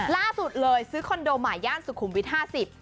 ล่าสุดเลยซื้อคอนโดใหม่ย่านสุขุมวิท๕๐